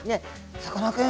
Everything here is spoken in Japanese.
「さかなクン